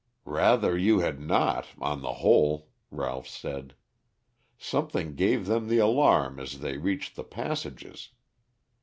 "Rather you had not, on the whole," Ralph said. "Something gave them the alarm as they reached the passages.